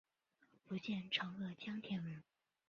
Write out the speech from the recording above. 福建长乐江田人。